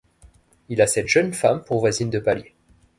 Il a cette jeune femme pour voisine de palier.